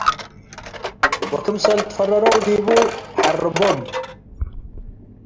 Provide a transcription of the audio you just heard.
ወክምሰል ትፈረረው ዲቡ ሐርቦም ።